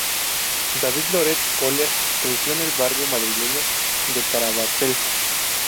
David Llorente Oller creció en el barrio madrileño de Carabanchel.